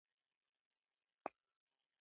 زموږ چل کار ورکړ.